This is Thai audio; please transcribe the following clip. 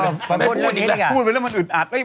ไม่พูดเรื่องนี้อีกหรอกพูดไปแล้วมันอึดอัด